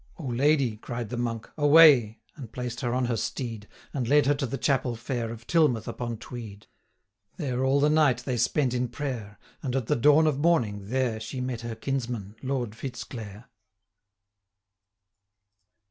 'O Lady,' cried the Monk, 'away!' 1015 And placed her on her steed, And led her to the chapel fair, Of Tilmouth upon Tweed. There all the night they spent in prayer, And at the dawn of morning, there 1020 She met her kinsman, Lord Fitz Clare.